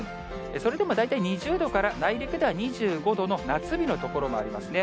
それでも大体２０度から内陸では２５度の夏日の所もありますね。